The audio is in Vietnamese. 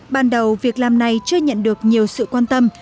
ban đầu việc làm này chưa nhận được nhiều sự quan tâm